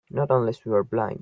Not unless we're blind.